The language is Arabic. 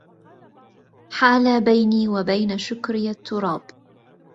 حال بيني وبين شكري التراب